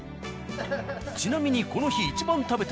ちなみにこの日。